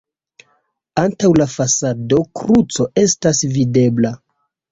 Antaŭ la fasado kruco estas videbla.